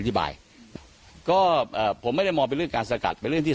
อธิบายก็เอ่อผมไม่ได้มองเป็นเรื่องการสกัดเป็นเรื่องที่